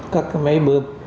các cái máy bơm